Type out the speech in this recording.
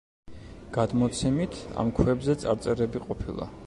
გადმოცემით, ამ ქვებზე წარწერები ყოფილა.